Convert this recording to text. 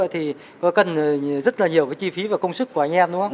thì có cần rất là nhiều cái chi phí và công sức của anh em đúng không